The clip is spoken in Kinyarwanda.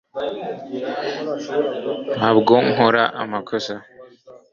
ntabwo nkora amakosa